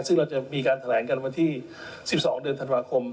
ซึ่งเราจะมีการแถลงกันวันที่๑๒เดือนธันวาคม